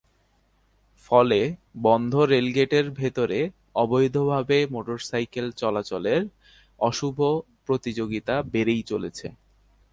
ফলে বন্ধ রেলগেটের ভেতরে অবৈধভাবে মোটরসাইকেল চলাচলের অশুভ প্রতিযোগিতা বেড়েই চলেছে।